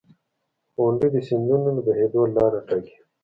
• غونډۍ د سیندونو د بهېدو لاره ټاکي.